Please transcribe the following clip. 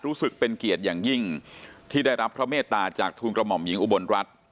รู้สึกเป็นเกียรติอย่างยิ่งที่ได้รับพระเมตตาจากทูลกระหม่อมหญิงอุบลรัฐ